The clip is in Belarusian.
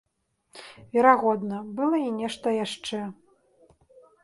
Верагодна, была і нешта яшчэ.